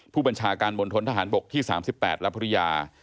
ผู้บัญชาการมณฑนทหารบกที่๓๘และภรรยา